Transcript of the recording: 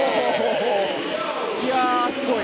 いやー、すごい。